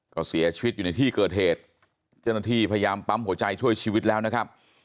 ก็เสียชีวิตอยู่ในที่เกิดเหตุเจ้าหน้าที่พยายามปั๊มหัวใจช่วยชีวิตแล้วนะครับ